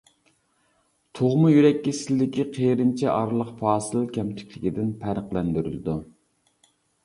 تۇغما يۈرەك كېسىلىدىكى قېرىنچە ئارىلىق پاسىل كەمتۈكلۈكىدىن پەرقلەندۈرۈلىدۇ.